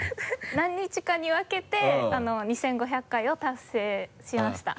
何日かに分けて２５００回を達成しました。